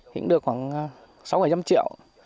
hình được khoảng sáu bảy trăm triệu